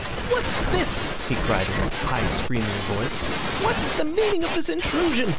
"What's this?" he cried in a high, screaming voice. "What is the meaning of this intrusion?